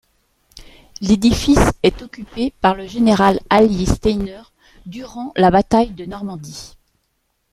L'édifice est occupé par le général allié Stainer durant la bataille de Normandie.